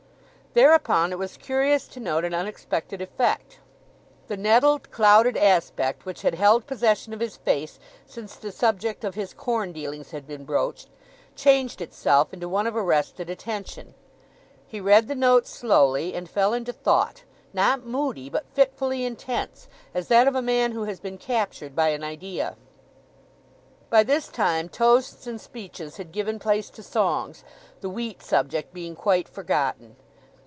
Thereupon it was curious to note an unexpected effect. The nettled, clouded aspect which had held possession of his face since the subject of his corn dealings had been broached, changed itself into one of arrested attention. He read the note slowly, and fell into thought, not moody, but fitfully intense, as that of a man who has been captured by an idea. By this time toasts and speeches had given place to songs, the wheat subject being quite forgotten.